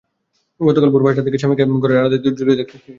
গতকাল ভোর পাঁচটার দিকে স্বামীকে ঘরের আড়ায় দড়িতে ঝুলতে দেখেন শিরিনা।